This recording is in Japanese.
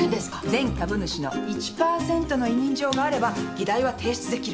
全株主の１パーセントの委任状があれば議題は提出できる。